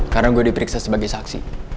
karena gue diperiksa sebagai saksi